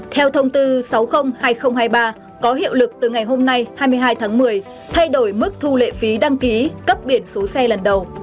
theo thông tư sáu trăm linh hai nghìn hai mươi ba có hiệu lực từ ngày hôm nay hai mươi hai tháng một mươi thay đổi mức thu lệ phí đăng ký cấp biển số xe lần đầu